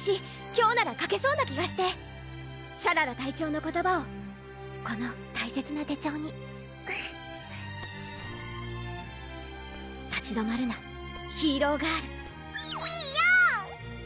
今日なら書けそうな気がしてシャララ隊長の言葉をこの大切な手帳に「立ち止まるなヒーローガール」ひーよー！